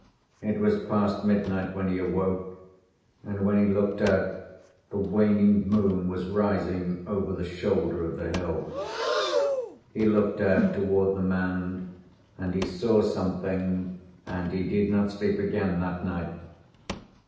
It was past midnight when he awoke, and when he looked out the waning moon was rising over the shoulder of the hill. He looked out toward the mound, and he saw something, and he did not sleep again that night.